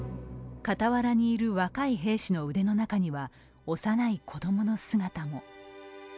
傍らにいる若い兵士の腕の中には幼い子供の姿も。